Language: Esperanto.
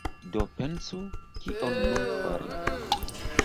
Do pensu, kion nun fari.